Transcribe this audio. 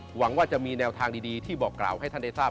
หวังว่าจะมีแนวทางดีที่บอกกล่าวให้ท่านได้ทราบ